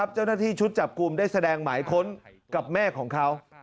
เจ้าหน้าที่ชุดจับกลุ่มได้แสดงหมายค้นกับแม่ของเขา